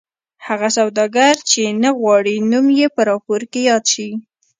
دغه سوداګر چې نه غواړي نوم یې په راپور کې یاد شي.